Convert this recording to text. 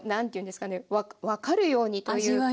分かるようにというか。